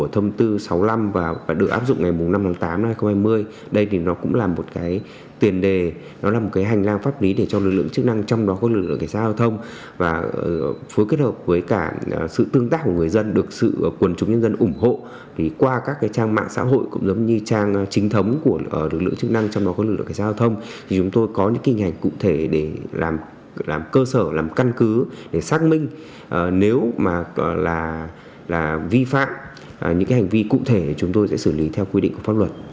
thông tư sáu mươi sáu có hiệu lực sẽ tạo hành lang pháp lý giúp lực lượng chức năng xử lý những người cố tình vi phạm phong luật